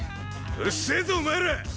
うっせえぞお前ら！